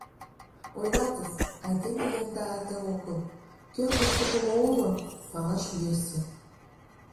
Ойлат-ыс, айдеме янда ате огыл: кӧргыштыжӧ мо уло, палаш йӧсӧ.